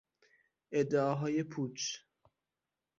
ادعاهای پوچ